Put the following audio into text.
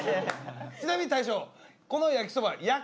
ちなみに大将この焼きそばは焼く？